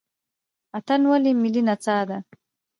اتن ولې ملي نڅا ده؟